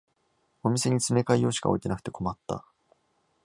お店に詰め替え用しか置いてなくて困った